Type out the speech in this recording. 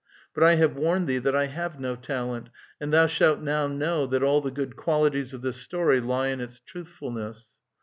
But I have warned thee that I have no talent, and thou, shalt now know that all the good qualities of this story lie. in its truthfulness.